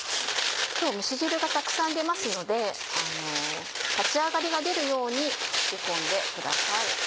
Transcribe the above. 今日蒸し汁がたくさん出ますので立ち上がりが出るように敷き込んでください。